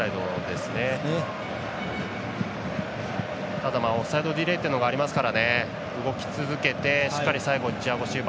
ただ、オフサイドディレイというのがありますから動き続けてしっかり最後にチアゴ・シウバ。